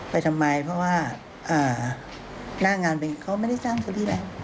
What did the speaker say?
ไปทำไมเพราะว่าน่างานไปเขาไม่ได้จ้างเชอรี่แหละ